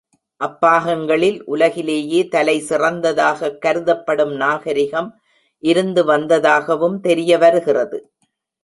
அப்பாகங்களில் உலகிலே தலை சிறந்ததாகக் கருதப்படும் நாகரிகம் இருந்து வந்ததாகவும் தெரிய வருகிறது.